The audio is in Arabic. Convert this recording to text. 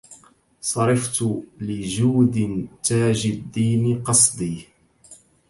صرفت لجود تاج الدين قصدي